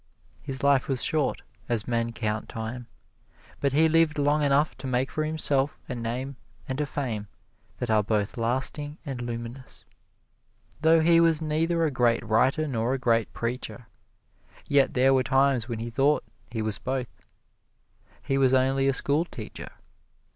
His life was short, as men count time, but he lived long enough to make for himself a name and a fame that are both lasting and luminous. Though he was neither a great writer nor a great preacher, yet there were times when he thought he was both. He was only a schoolteacher.